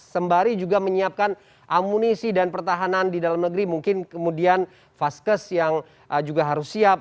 sembari juga menyiapkan amunisi dan pertahanan di dalam negeri mungkin kemudian vaskes yang juga harus siap